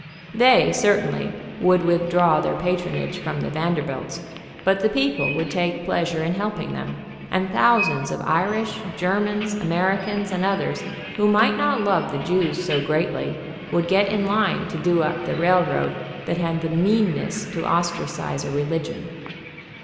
They certainly would withdraw their patronage from the Vanderbilts, but the people would take pleasure in helping them, and thousands of Irish, Germans, Americans and oth ers, who might not love the Jews so greatly, would get in line to do up the railroad that had the mean ness to ostracize a religion.